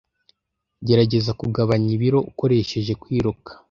Gerageza kugabanya ibiro ukoresheje kwiruka.